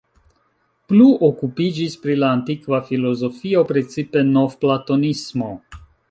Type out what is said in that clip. Plu okupiĝis pri la antikva filozofio, precipe novplatonismo.